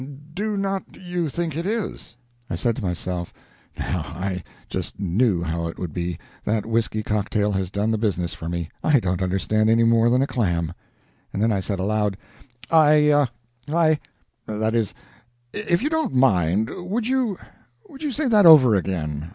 Do not you think it is?" I said to myself: "Now I just knew how it would be that whisky cocktail has done the business for me; I don't understand any more than a clam." And then I said aloud: "I I that is if you don't mind, would you would you say that over again?